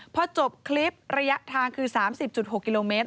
พอจบคลิประยะทางคือ๓๐๖กิโลเมตร